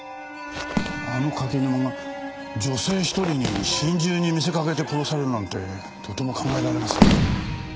あの柿沼が女性一人に心中に見せかけて殺されるなんてとても考えられません。